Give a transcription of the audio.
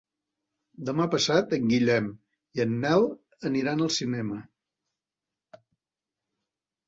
Demà passat en Guillem i en Nel aniran al cinema.